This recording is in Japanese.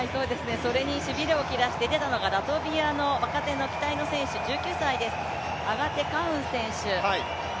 それにしびれをきらして出たのがラトビアの若手の選手、１９歳です、アガテ・カウン選手。